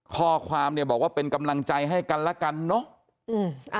ข้อความเนี่ยบอกว่าเป็นกำลังใจให้กันละกันเนอะ